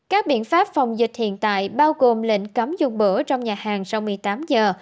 các biện pháp phòng dịch hiện tại bao gồm lệnh cấm dùng bữa trong nhà hàng sau một mươi tám giờ